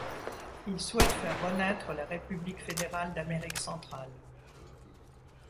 Il souhaite faire renaître la République fédérale d'Amérique centrale.